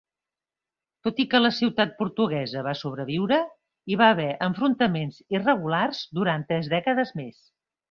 Tot i que la ciutat portuguesa va sobreviure, hi va haver enfrontaments irregulars durant tres dècades més.